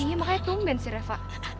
eh makanya kemungkinan sih reva